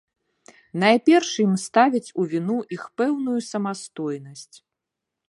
Найперш ім ставяць у віну іх пэўную самастойнасць.